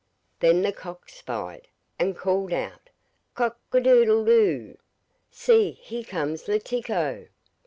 Then the cock spied, and called out: 'Cock a doodle do! see here comes Letiko!